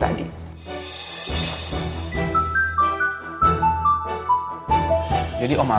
tidak ada yang bisa dianggap sebagai om alex